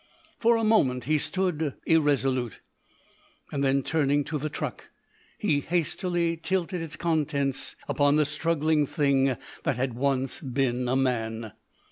For a moment he stood irresolute, and then, turning to the truck, he hastily tilted its contents upon the struggling thing that had once been a man.